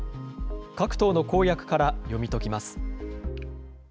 各党の公約から読み解きます。